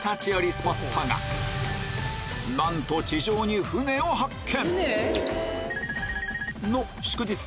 スポットがなんと地上に船を発見